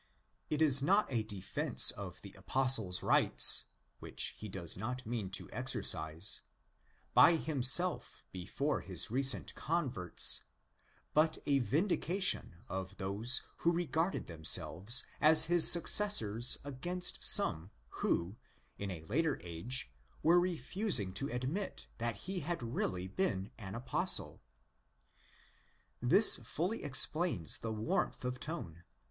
It is not a defence of the Apostle's rights—which he does not mean to exercise—by himself before his recent converts, but a vindication of those who regarded themselves as his successors against some who, in a THE FIRST EPISTLE 181 later age, were refusing to admit that he had really been an Apostle. This fully explains the warmth of tone.